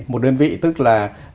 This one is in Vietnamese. một đơn vị tức là